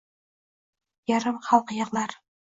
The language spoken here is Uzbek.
Yarim xalq yig’lar.